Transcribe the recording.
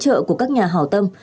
cùng sự hỗ trợ của các nhà hảo tâm